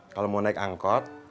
kalau mau naik angkot